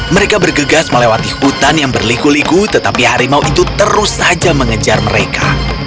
mereka bergegas melewati hutan yang berliku liku tetapi harimau itu terus saja mengejar mereka